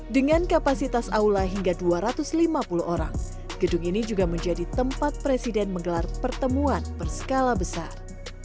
dengan kapasitas aula hingga dua ratus lima puluh orang gedung ini juga menjadi tempat presiden menggelar pertemuan berskala besar